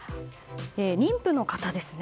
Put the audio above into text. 妊婦の方ですね。